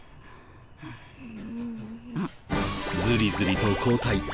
ずりずりと後退。